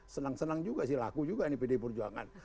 senang senang juga sih laku juga ini pdi perjuangan